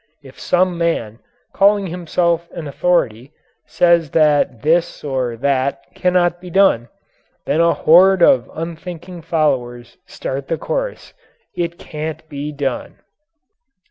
If some man, calling himself an authority, says that this or that cannot be done, then a horde of unthinking followers start the chorus: "It can't be done."